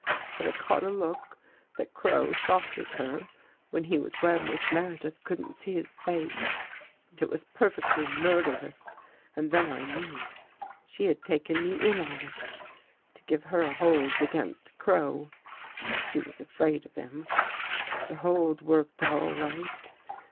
But I caught a look that Crow shot at her when he was where Miss Mere dith couldn't see his face, and it was perfectly mur derous. And then I knew! She had taken me in on it, to give her a hold against Crow. She was afraid of him. " The hold worked all right.